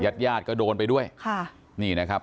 ญาติญาติก็โดนไปด้วยค่ะนี่นะครับ